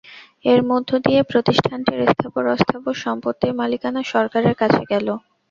এর মধ্য দিয়ে প্রতিষ্ঠানটির স্থাবর অস্থাবর সম্পত্তির মালিকানা সরকারের কাছে গেল।